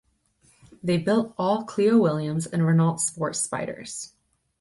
They built all Clio Williams and RenaultSport Spiders.